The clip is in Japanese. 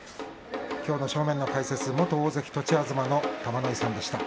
きょうの正面の解説は元大関栃東の玉ノ井さんでした。